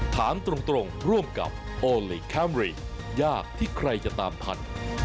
ถามตรงร่วมกับโอลี่คัมรี่ยากที่ใครจะตามทัน